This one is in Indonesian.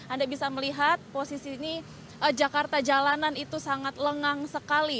anda bisa melihat posisi ini jakarta jalanan itu sangat lengang sekali